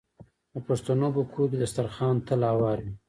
د پښتنو په کور کې دسترخان تل هوار وي.